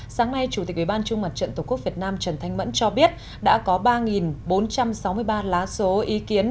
sáng nay chủ tịch ubnd tổ quốc việt nam trần thanh mẫn cho biết đã có ba bốn trăm sáu mươi ba lá số ý kiến